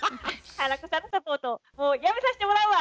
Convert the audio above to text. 花子さんのサポートもうやめさしてもらうわ！